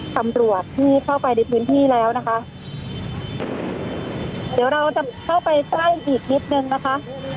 ตำรวจที่เข้าไปในพื้นที่แล้วนะคะเดี๋ยวเราจะเข้าไปใกล้อีกนิดนึงนะคะ